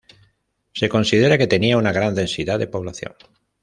Se considera que tenía una gran densidad de población.